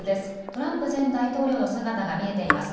トランプ前大統領の姿が見えています。